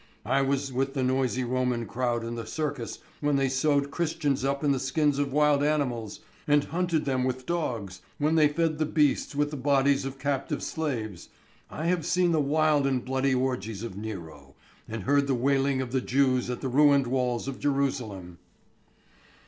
I was with the noisy Roman crowd in the circus when they sewed Christians up in the skins of wild animals and hunted them with dogs, when they fed the beasts with the bodies of captive slaves ... I have seen the wild and bloody orgies of Nero, and heard the wailing of the Jews at the ruined walls of Jerusalem...."